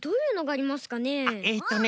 えっとね。